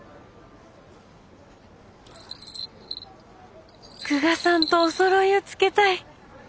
心の声久我さんとおそろいをつけたい。